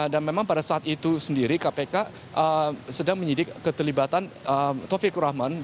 dan memang pada saat itu sendiri kpk sedang menyidik keterlibatan taufik roman